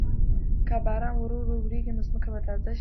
که باران ورو ورو وریږي، نو ځمکه به تازه شي.